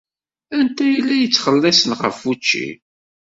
Anta ay la yettxelliṣen ɣef wučči?